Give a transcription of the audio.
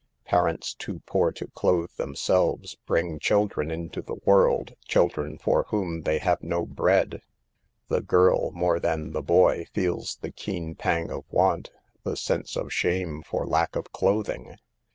Parents, too poor to clothe themselves, bring children into the world — children for whom they have no bread. The girl, more than the boy, feels the keen pang of want, the sense of shame for lack of clothing.